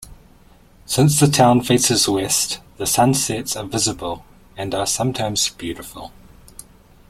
Since the town faces west, the sunsets are visible and are sometimes beautiful.